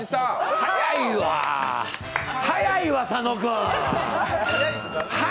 早い、早いわ、佐野君。